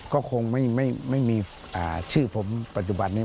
ก็คงไม่มีชื่อผมปัจจุบันนี้